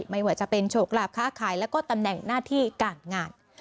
ไม่ว่าจะเป็นโชคหลาบค้าขายแล้วก็ตำแหน่งหน้าที่การงาน